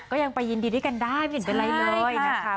ก็ไปยินดีด้านถ้าเจ้าอยากจัดอาคาร